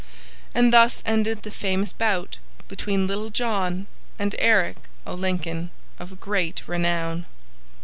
And thus ended the famous bout between Little John and Eric o' Lincoln of great renown.